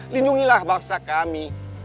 linjungilah bangsa kami